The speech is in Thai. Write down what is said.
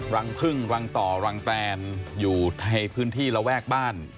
รังพึ่งรังต่อรังแตนอยู่ในพื้นที่ระแวกบ้าน